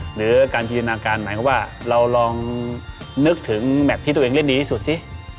หรือการจินตนาการหมายความว่าเราลองนึกถึงแมทที่ตัวเองเล่นดีที่สุดสิ